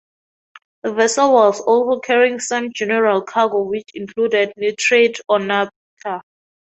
The vessel was also carrying some general cargo which included nitrate or naphtha.